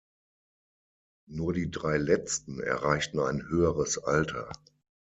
Nur die drei letzten erreichten ein höheres Alter.